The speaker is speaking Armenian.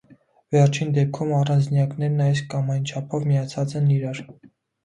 Վերջին դեպքում առանձնյակներն այս կամ այն չափով միացած են իրար։